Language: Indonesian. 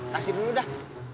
kasih dulu dah